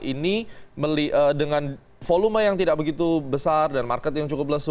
ini dengan volume yang tidak begitu besar dan market yang cukup lesu